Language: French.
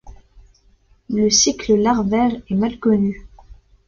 Le cycle larvaire est mal connu.